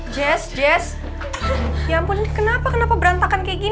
jess jess ya ampun kenapa kenapa berantakan kayak gini